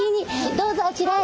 どうぞあちらへ。